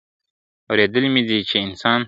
اورېدلي مي دي چي انسان ..